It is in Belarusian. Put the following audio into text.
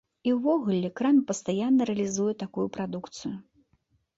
І ўвогуле крама пастаянна рэалізуе такую прадукцыю.